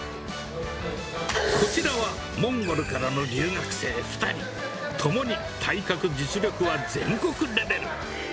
こちらはモンゴルからの留学生２人、共に体格、実力は全国レベル。